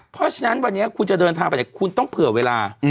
เพราะฉะนั้นวันนี้คุณจะเดินทางไปไหนคุณต้องเผื่อเวลา